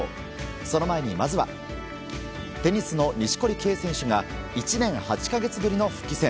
その前に、まずはテニスの錦織圭選手が１年８か月ぶりの復帰戦。